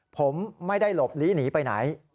ผมไม่ได้หลบลีหนีไปไหน